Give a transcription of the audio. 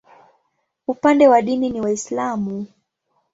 Upande wa dini ni Waislamu.